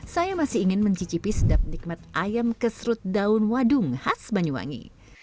saya masih ingin mencicipi sedap nikmat ayam kesrut daun wadung khas banyuwangi